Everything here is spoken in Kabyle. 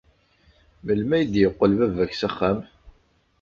Melmi ay d-yeqqel baba-k s axxam?